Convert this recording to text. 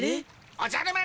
おじゃる丸！